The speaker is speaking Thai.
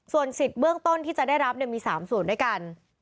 ส่วนสิทธิ์เบื้องต้นที่จะได้รับมี๓ส่วนด้วยกัน